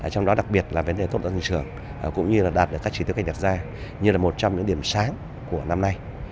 trong đó đặc biệt là vấn đề tốt tăng trưởng cũng như đạt được các trí tức đạt ra như một trong những điểm sáng của năm nay